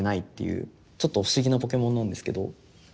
ちょっと不思議なポケモンなんですけど。